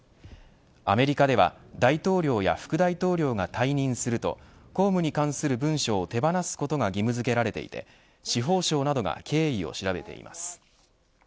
アメリカでは大統領や副大統領が退任すると公務に関する文書を手放すことが義務付けられていて司法省などが経緯を調べています。